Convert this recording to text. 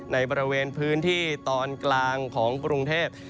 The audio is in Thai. ในบริเวณพื้นที่ตอนกลางของกรุงเทพ